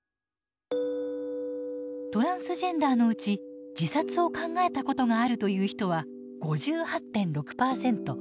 トランスジェンダーのうち自殺を考えたことがあるという人は５８．６％。